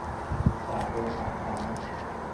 ต่างคนต่างทำน่ะ